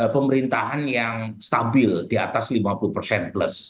pemerintahan yang stabil di atas lima puluh persen plus